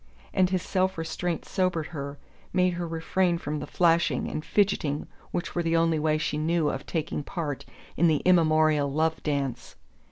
And his self restraint sobered her, made her refrain from the flashing and fidgeting which were the only way she knew of taking part in the immemorial love dance.